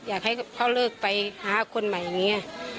อยากให้เขาเลิกไปหาคนใหม่อย่างนี้